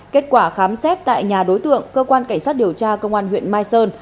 kết quả khám xét tại nhà đối tượng cơ quan cảnh sát điều tra công an huyện mai sơn